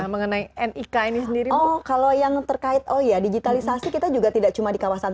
mengenai nik ini sendiri kalau yang terkait oh ya digitalisasi kita juga tidak cuma di kawasan